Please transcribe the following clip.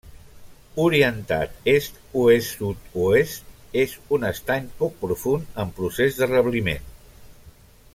Orientat est oest-sud-oest, és un estany poc profund, en procés de rebliment.